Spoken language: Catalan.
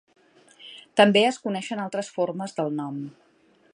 També es coneixen altres formes del nom.